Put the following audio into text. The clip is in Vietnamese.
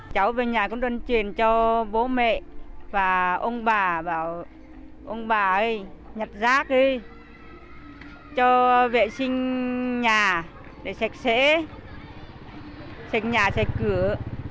cháu về nhà cũng đơn truyền cho bố mẹ và ông bà ông bà ấy nhặt rác đi cho vệ sinh nhà để sạch sẽ sạch nhà sạch cửa